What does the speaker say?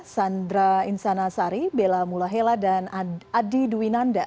sandra insanasari bella mulahela dan adi dwinanda